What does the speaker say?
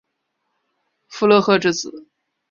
傅勒赫之子。